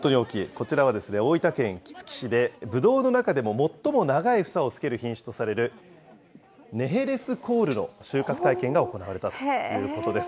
こちらは大分県杵築市で、ぶどうの中でも最も長い房をつける品種とされる、ネヘレスコールの収穫体験が行われたということです。